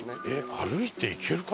歩いて行けるか？